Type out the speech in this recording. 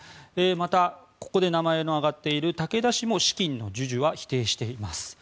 また、ここで名前の挙がっている竹田氏も資金の授受は否定しています。